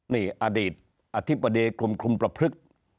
นี่อดีตอธิบดีคลุมประพฤกษ์